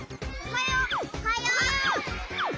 ・おはよう！